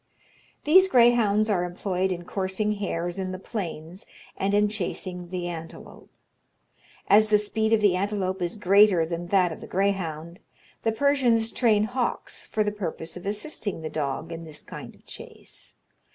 "These greyhounds are employed in coursing hares in the plains, and in chasing the antelope. As the speed of the antelope is greater than that of the greyhound, the Persians train hawks for the purpose of assisting the dog in this kind of chase.